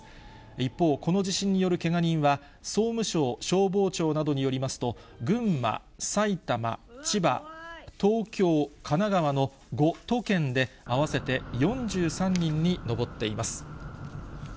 一方、この地震によるけが人は、総務省消防庁などによりますと、群馬、埼玉、千葉、東京、神奈川の５都県で合わせて４３人に上っています。